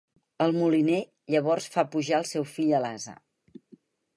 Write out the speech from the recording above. El moliner llavors fa pujar el seu fill a l'ase.